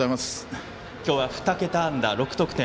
今日は２桁安打、６得点。